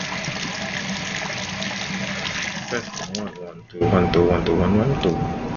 Carlisle is home to the Wabash Valley Correctional Facility.